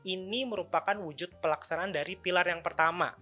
ini merupakan wujud pelaksanaan dari pilar yang pertama